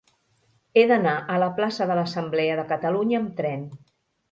He d'anar a la plaça de l'Assemblea de Catalunya amb tren.